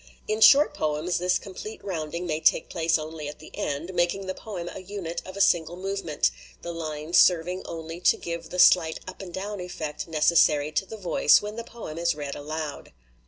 In short poems this com plete rounding may take place only at the end, making the poem a unit of a single movement, the lines serving only to give the slight up and down effect necessary to the voice when the poem is read aloud.